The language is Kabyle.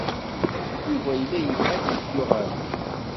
Yuba yella yebɣa ad yeddu ɣer din.